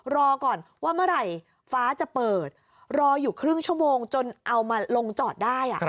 รอก่อนว่าเมื่อไหร่ฟ้าจะเปิดรออยู่ครึ่งชั่วโมงจนเอามาลงจอดได้